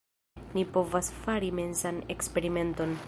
Ni povas fari mensan eksperimenton.